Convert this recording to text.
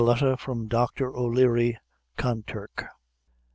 Letter from Dr. O'Leary, Kanturk.